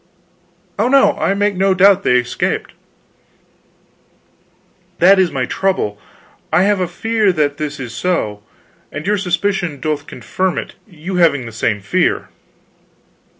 "Oh, no, I make no doubt they escaped." "That is my trouble; I have a fear that this is so, and your suspicion doth confirm it, you having the same fear."